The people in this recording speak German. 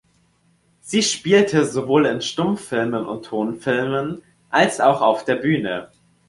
Sie spielte sowohl in Stummfilmen und Tonfilmen als auch auf der Bühne.